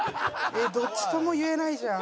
どっちとも言えないじゃん。